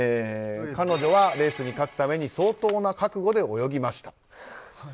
彼女はレースに勝つために相当な覚悟で泳ぎましたと。